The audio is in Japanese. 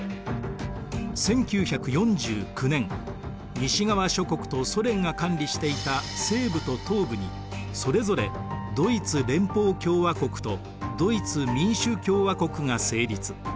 １９４９年西側諸国とソ連が管理していた西部と東部にそれぞれドイツ連邦共和国とドイツ民主共和国が成立。